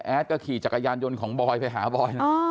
ก็ขี่จักรยานยนต์ของบอยไปหาบอยนะ